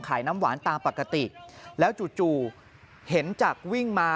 ขายน้ำหวานตามปกติแล้วจู่เห็นจักรวิ่งมา